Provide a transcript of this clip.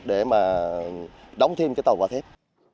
để mà đóng thêm cái tàu vỏ thép